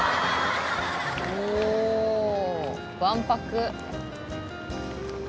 おおわんぱく。